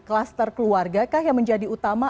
kluster keluarga kah yang menjadi utama